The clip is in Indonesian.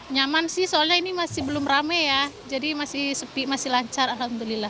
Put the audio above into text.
nyaman sih soalnya ini masih belum rame ya jadi masih sepi masih lancar alhamdulillah